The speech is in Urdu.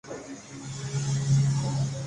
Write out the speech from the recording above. پوچھو تو ادھر تیر فگن کون ہے یارو